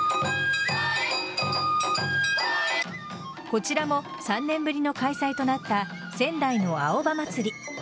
こちらも３年ぶりの開催となった仙台の青葉まつり。